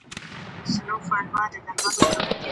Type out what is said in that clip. د سوځیدنې پیښې څنګه درملنه کیږي؟